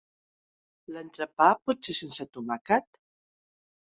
L'entrepà pot ser sense tomàquet?